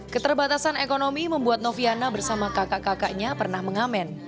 keterbatasan ekonomi membuat noviana bersama kakak kakaknya pernah mengamen